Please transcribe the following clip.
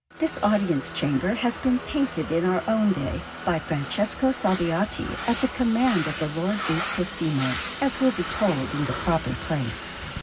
This Audience Chamber has been painted in our own day by Francesco Salviati at the command of the Lord Duke Cosimo, as will be told in the proper place.